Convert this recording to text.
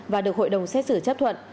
và được hội đồng xét xử chấp thuận